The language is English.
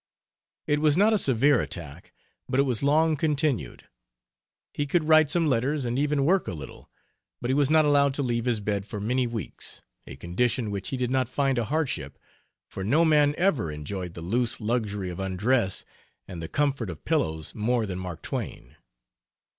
It was not a severe attack, but it was long continued. He could write some letters and even work a little, but he was not allowed to leave his bed for many weeks, a condition which he did not find a hardship, for no man ever enjoyed the loose luxury of undress and the comfort of pillows more than Mark Twain.